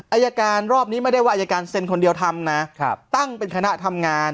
อายการรอบนี้ไม่ได้ว่าอายการเซ็นคนเดียวทำนะตั้งเป็นคณะทำงาน